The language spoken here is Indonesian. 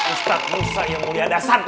ustadz musa yang mulia dasar